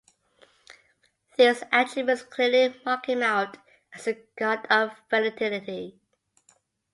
These attributes clearly mark him out as a god of fertility.